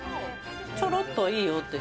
ちょろっといいよって。